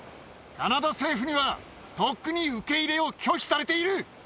カナダ政府にはとっくに受け入れを拒否されている。